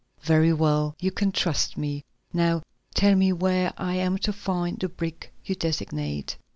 "Very well, you can trust me. Now tell me where I am to find the brick you designate."